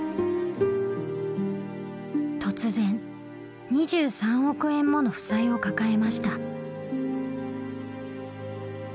突然２３億円もの負債を抱えました。